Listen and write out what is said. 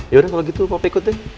yaudah kalau gitu kopi ikut deh